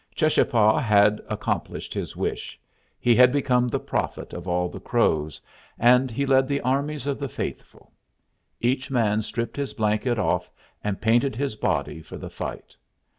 Cheschapah had accomplished his wish; he had become the prophet of all the Crows, and he led the armies of the faithful. Each man stripped his blanket off and painted his body for the fight.